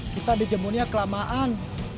kita dijemurnya kelamaan